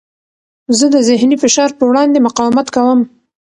زه د ذهني فشار په وړاندې مقاومت کوم.